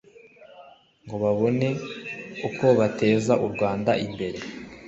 ngo babone uko bateza u rwanda imbere